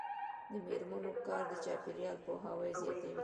د میرمنو کار د چاپیریال پوهاوی زیاتوي.